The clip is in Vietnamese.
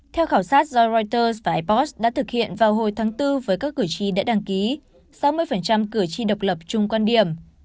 theo khảo sát do reuters và ipost đã thực hiện vào hồi tháng bốn với các cử tri đã đăng ký sáu mươi cử tri độc lập chung quan điểm